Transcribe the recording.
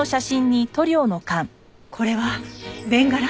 これはベンガラ？